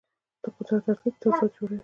د قدرت اړتیا دا تضاد جوړوي.